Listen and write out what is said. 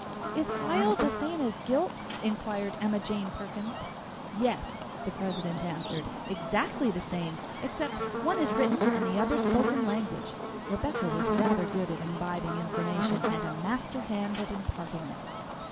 "Is 'guile' the same as 'guilt?" inquired Emma Jane Perkins. "Yes," the president answered; "exactly the same, except one is written and the other spoken language." (Rebecca was rather good at imbibing information, and a master hand at imparting it!)